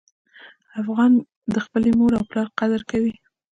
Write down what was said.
افغان د خپلې مور او پلار قدر کوي.